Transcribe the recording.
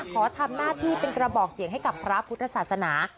ขอทำหน้าที่เป็นกระบอกเสียงให้กับพระพุทธศาสนา